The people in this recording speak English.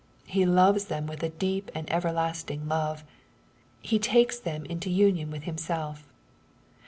He loves them with a deep and everlasting love. He takes them into union with Himself.